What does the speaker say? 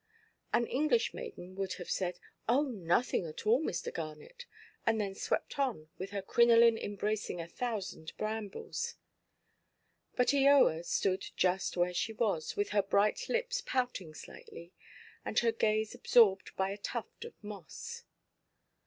An English maiden would have said, "Oh, nothing at all, Mr. Garnet;" and then swept on, with her crinoline embracing a thousand brambles. But Eoa stood just where she was, with her bright lips pouting slightly, and her gaze absorbed by a tuft of moss.